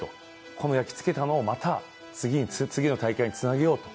その焼き付けたのをまた次の大会につなげようと。